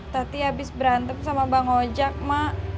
tati habis berantem sama bang hojak mak